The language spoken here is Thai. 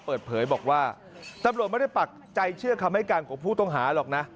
เปิดเผยบอกว่าตำรวจไม่ได้ปักใจเชื่อคำให้การของผู้ต้องหาหรอกนะ